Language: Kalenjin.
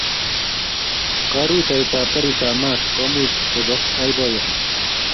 Karotutoitab karitab maat ko much kobo boiboiyo